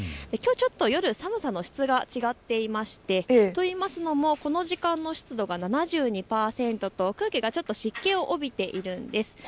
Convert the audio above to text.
きょうはちょっと夜、寒さの質が違っていましてといいますのもこの時間の湿度が７２％と空気が湿気を帯びているんです。